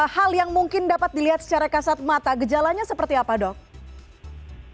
hal yang mungkin dapat dilihat secara kasat mata gejalanya seperti apa dok